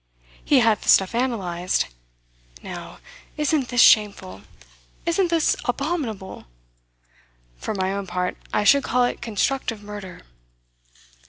He had the stuff analysed. Now, isn't this shameful? Isn't this abominable? For my own part, I should call it constructive murder.